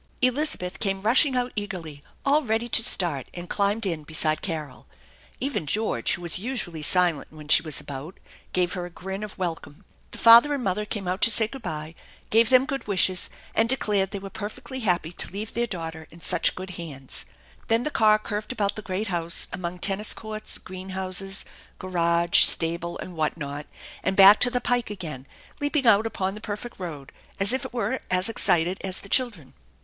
Elizabeth came rushing out eagerly, all ready to start, and climbed in beside Carol. Even George, who was usually silent when she was about, gave her a grin of welcome. The father and mother came out to say good by, gave them good wishes, and declared they were perfectly happy to leave their THE ENCHANTED BARN 227 daughter in such good hands. Then the car curved about the great house, among tennis courts, green houses, garage, stable, and what not, and back to the pike again, leaping out upon the perfect road as if it were as excited as the children.